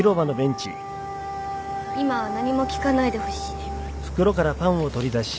今は何も聞かないでほしい。